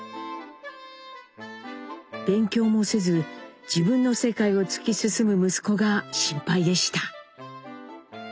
勉強もせず自分の世界を突き進む息子が心配でした。